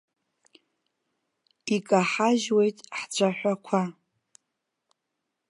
Икаҳажьуеит ҳцәаҳәақәа!